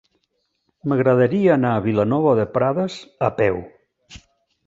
M'agradaria anar a Vilanova de Prades a peu.